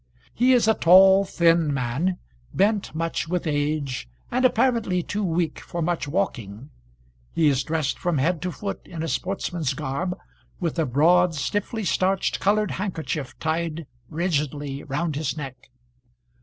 He is a tall thin man, bent much with age, and apparently too weak for much walking; he is dressed from head to foot in a sportsman's garb, with a broad stiffly starched coloured handkerchief tied rigidly round his neck.